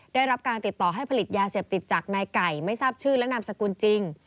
ได้รับการติดต่อให้ผลิตยาเสพติดจากนายไก่ไม่ทราบชื่อและนามสกุลจริง